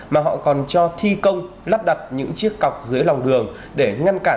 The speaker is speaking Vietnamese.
mà họ còn cho thi công lắp đặt những chiếc cọc dưới lòng đường để ngăn cản